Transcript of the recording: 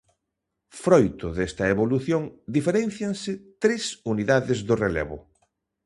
Froito desta evolución diferéncianse tres unidades do relevo.